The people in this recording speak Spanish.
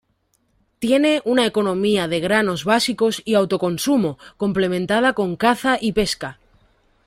Tiene una economía de granos básicos y autoconsumo, complementada con caza y pesca.